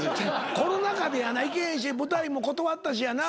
コロナ禍でやな行けへんし舞台も断ったしやな正月の。